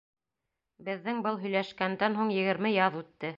Беҙҙең был һөйләшкәндән һуң егерме яҙ үтте.